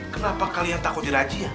kenapa kalian takut dirajian